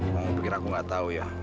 kamu pikir aku gak tau ya